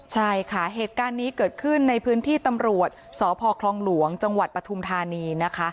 ใช่ค่ะเหตุการณ์นี้เกิดขึ้นในพื้นที่ตำรวจสพคลองหลวงจปทนนะคะ